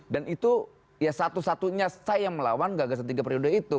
dan itu ya satu satunya saya yang melawan gagasan tiga periode itu